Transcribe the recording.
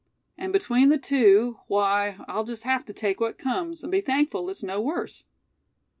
And between the two why, I'll just have to take what comes, and be thankful it's no worse."